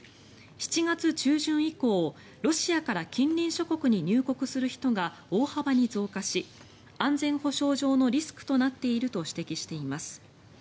７月中旬以降、ロシアから近隣諸国に入国する人が大幅に増加し安全保障上のリスクとなっていると指摘しています。